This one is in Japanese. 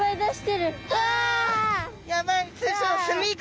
やばい。